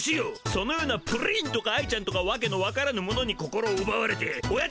そのようなプリンとか愛ちゃんとかわけのわからぬものに心をうばわれてオヤツがしらの仕事をおろそかにするとは。